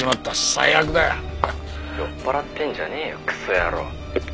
「酔っ払ってんじゃねえよクソ野郎」